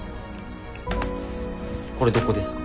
これどこですか？